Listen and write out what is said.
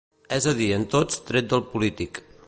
És a dir, en tots tret del polític.